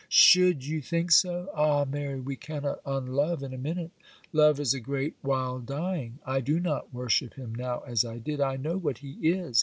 'Should you think so? Ah, Mary, we cannot unlove in a minute; love is a great while dying. I do not worship him now as I did. I know what he is.